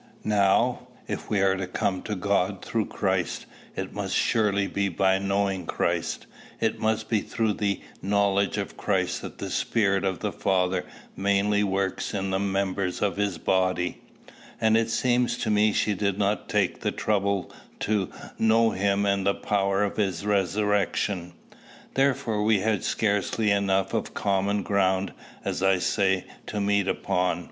Now, if we are to come to God through Christ, it must surely be by knowing Christ; it must be through the knowledge of Christ that the Spirit of the Father mainly works in the members of his body; and it seemed to me she did not take the trouble to "know him and the power of his resurrection." Therefore we had scarcely enough of common ground, as I say, to meet upon.